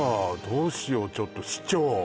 どうしようちょっと市長